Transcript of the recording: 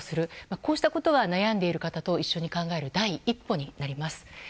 こうしたことは悩んでいる方と一緒に考える第一歩になります。